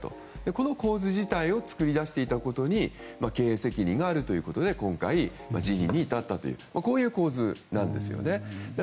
この構図自体を作り出していたことに経営責任があるということで今回、辞任に至ったという構図なんですね。